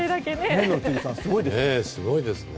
すごいですね。